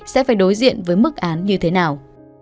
sẽ phải đối diện với mức án như thế nào